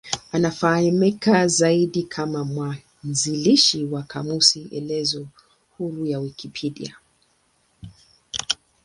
Anafahamika zaidi kama mwanzilishi wa kamusi elezo huru ya Wikipedia.